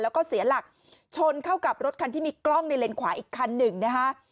แล้วก็เสียหลักชนเข้ากับรถคันที่มีกล้องในเลนขวาอีกคันหนึ่งนะคะ